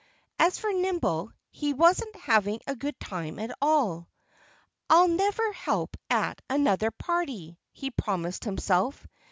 As for Nimble, he wasn't having a good time at all. "I'll never help at another party!" he promised himself.